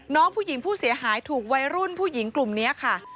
น้องผู้หญิงผู้เสียหายถูกวัยรุ่นผู้หญิงกลุ่มนี้ค่ะ